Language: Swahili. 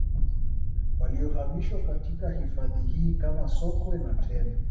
Waliohamishiwa katika hifadhi hii kama Sokwe na Tembo